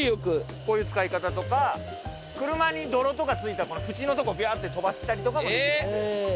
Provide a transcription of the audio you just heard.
こういう使い方とか車に泥とか付いた縁のとこビャーッて飛ばしたりとかもできるんで。